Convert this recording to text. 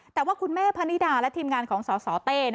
แต่ว่าคุณแม่พนิดาและทีมงานของสสเต้